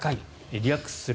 リラックスする。